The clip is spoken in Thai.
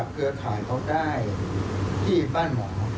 เครือข่ายเขาได้ที่บ้านหมอ